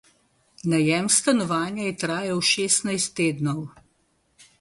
Najem stanovanja je trajal šestnajst tednov.